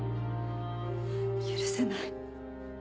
許せない。